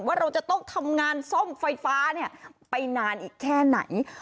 ว่าเราจะต้องทำงานซ่อมไฟฟ้าไปนานอีกแค่ไหน